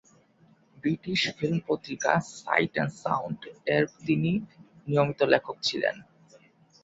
British film পত্রিকা "sight and সাউন্ড"-এর তিনি নিয়মিত লেখক ছিলেন।